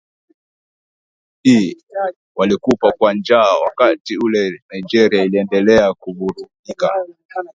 i walikufa kwa njaa wakati ule Nigeria iliendelea kuvurugika